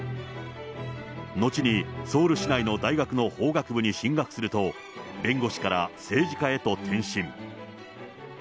後にソウル市内の大学の法学部に進学すると、弁護士から政治家へと転身。